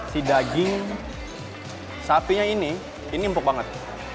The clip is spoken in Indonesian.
si daging sapinya ini ini empuk banget